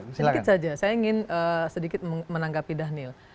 sedikit saja saya ingin sedikit menanggapi dhanil